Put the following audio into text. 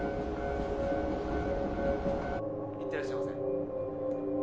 いってらっしゃいませ。